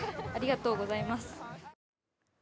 ありがとうございます。